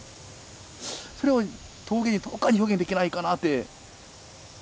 それを陶芸にどっかに表現できないかなって。